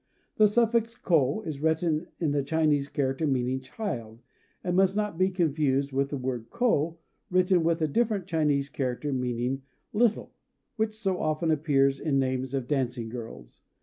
This suffix ko is written with the Chinese character meaning "child," and must not be confused with the word ko, written with a different Chinese character, and meaning "little," which so often appears in the names of dancing girls.